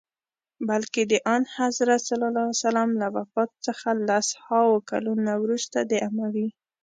بلکه د آنحضرت ص له وفات څخه لس هاوو کلونه وروسته د اموي.